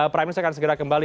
prime news akan segera kembali